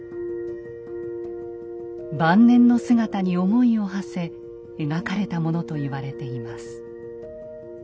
晩年の姿に思いをはせ描かれたものと言われています。